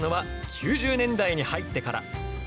９０年代に入ってから。